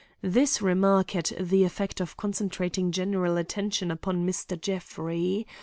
This remark had the effect of concentrating general attention upon Mr. Jeffrey.